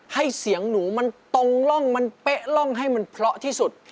ให้เสียงหนูมันตรงร่องมันเป๊ะร่องให้มันเพราะที่สุด